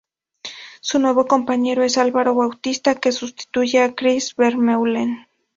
Su nuevo compañero es Alvaro Bautista, que sustituye a Chris Vermeulen.